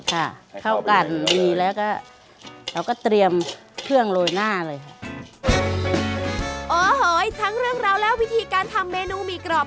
ค่ะเข้ากันมีแล้วก็เราก็เตรียมเครื่องโรยหน้าเลยค่ะโอ้โหทั้งเรื่องราวและวิธีการทำเมนูหมี่กรอบ